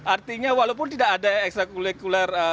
artinya walaupun tidak ada ekstra kulikuler